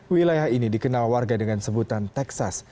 wilayah ini dikenal warga dengan sebutan texas